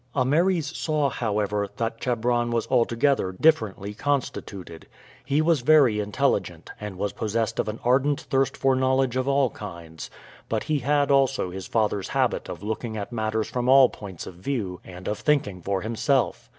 Ameres saw, however, that Chebron was altogether differently constituted. He was very intelligent, and was possessed of an ardent thirst for knowledge of all kinds; but he had also his father's habit of looking at matters from all points of view and of thinking for himself.